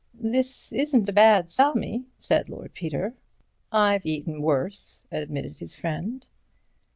"This isn't a bad salmis," said Lord Peter. "I've eaten worse," admitted his friend.